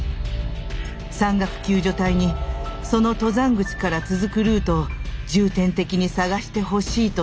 山岳救助隊にその登山口から続くルートを重点的に捜してほしいと頼みました。